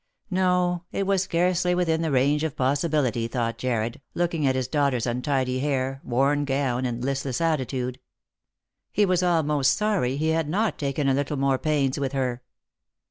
No, it was scarcely within the range of possibility, thought Jarred, looking at his daughter's untidy hair, worn gown, and listless attitude. He was almost sorry he had not taken a little more pains with her.